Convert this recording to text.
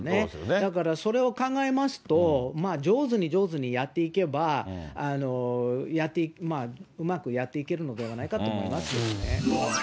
だからそれを考えますと、上手に上手にやっていけば、うまくやっていけるのではないかと思いますよね。